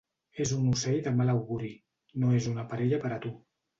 És un ocell de mal auguri, no és una parella per a tu.